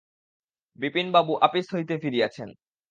বিপিনবাবু আপিস হইতে ফিরিয়াছেন।